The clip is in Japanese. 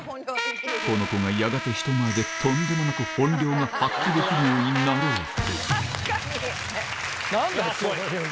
この子がやがて人前でとんでもなく本領が発揮できるようになろうとは確かに。